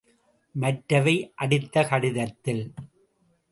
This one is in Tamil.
மற்றவை அடுத்த கடிதத்தில்.